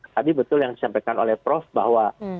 tadi betul yang disampaikan oleh prof bahwa